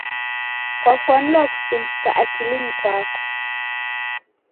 Kwafwanilwa kusumbuka akilinyi kwako.